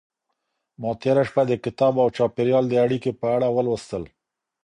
ما تېره شپه د کتاب او چاپېريال د اړيکې په اړه ولوستل.